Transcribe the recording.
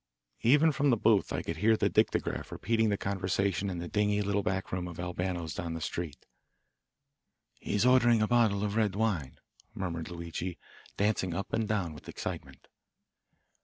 Even from the booth I could hear the dictograph repeating the conversation in the dingy, little back room of Albano's, down the street. "He's ordering a bottle of red wine," murmured Luigi, dancing up and down with excitement.